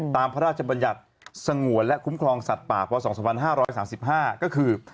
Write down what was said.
พระราชบัญญัติสงวนและคุ้มครองสัตว์ป่าพ๒๕๓๕ก็คือ